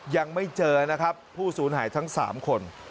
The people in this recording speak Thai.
ยังไม่เจอนะครับผู้สูญหายทั้ง๓คน